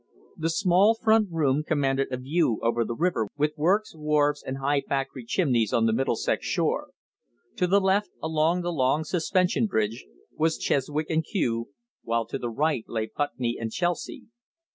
The small front room commanded a view over the river with works, wharves, and high factory chimneys on the Middlesex shore. To the left, across the long suspension bridge, was Chiswick and Kew, while to the right lay Putney and Chelsea.